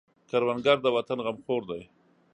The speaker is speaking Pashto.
کروندګر د وطن غمخور دی